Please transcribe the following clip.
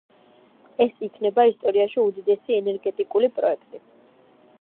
ეს იქნება ისტორიაში უდიდესი ენერგეტიკული პროექტი.